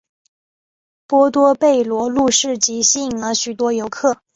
波多贝罗路市集吸引了许多游客。